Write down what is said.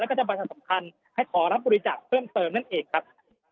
แล้วก็จะบรรยาสำคัญให้ขอรับบัญจักรเพิ่มเติมนั้นเองครับ